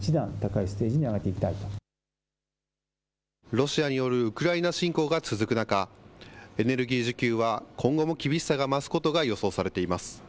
ロシアによるウクライナ侵攻が続く中、エネルギー需給は今後も厳しさが増すことが予想されています。